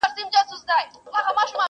جهاني زه هم لکه شمع سوځېدل مي زده دي!!